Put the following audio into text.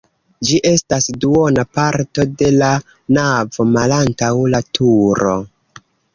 Ĝi estas duona parto de la navo malantaŭ la turo.